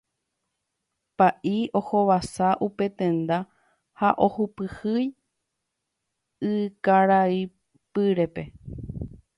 Pa'i ohovasa upe tenda ha ohypýi ykaraipyrépe.